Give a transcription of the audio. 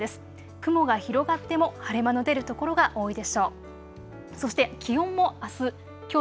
雲が広がっても晴れ間の出る所が多いでしょう。